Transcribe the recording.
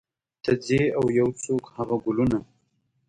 ته ځې او یو څوک هغه ګلونه